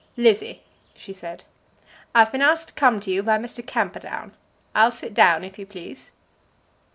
"Lizzie," she said, "I've been asked to come to you by Mr. Camperdown. I'll sit down, if you please."